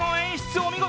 お見事！